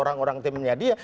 orang orang timnya dia